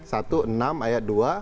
satu enam ayat dua